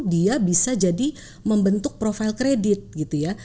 dia bisa jadi membentuk profil kredit gitu ya